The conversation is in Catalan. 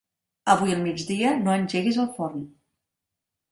Avui al migdia no engeguis el forn.